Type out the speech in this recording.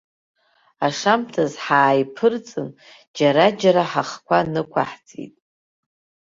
Ашамҭазы ҳааиԥырҵын, џьара-џьара ҳахқәа нықәаҳҵеит.